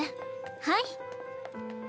はい。